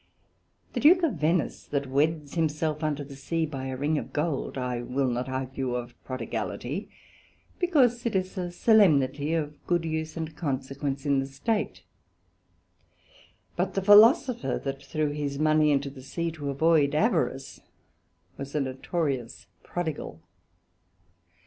The Duke of Venice, that weds himself unto the Sea by a Ring of Gold, I will not argue of prodigality, because it is a solemnity of good use and consequence in the State: but the Philosopher that threw his money into the Sea to avoid Avarice, was a notorious prodigal.